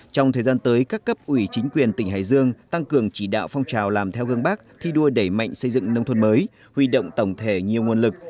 trong thời gian tới các cấp ủy chính quyền tỉnh hải dương tăng cường chỉ đạo phong trào làm theo gương bác thi đua đẩy mạnh xây dựng nông thôn mới huy động tổng thể nhiều nguồn lực